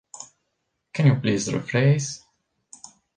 Can you please rephrase?